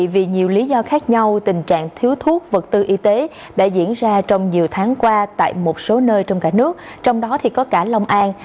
vì nhiều lý do khác nhau tình trạng thiếu thuốc vật tư y tế đã diễn ra trong nhiều tháng qua tại một số nơi trong cả nước trong đó có cả long an